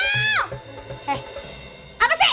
eh apa sih